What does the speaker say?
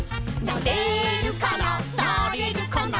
「なれるかな？